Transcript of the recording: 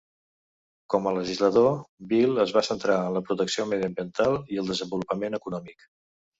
Com a legislador, Bill es va centrar en la protecció mediambiental i el desenvolupament econòmic.